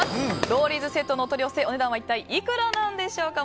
ロウリーズセットのお取り寄せお値段は一体いくらなんでしょうか。